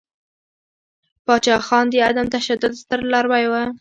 پاچاخان د عدم تشدد ستر لاروی ؤ.